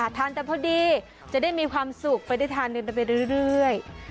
ร้านจะพอดีจะได้มีความสุขไปได้ทานเรื่อย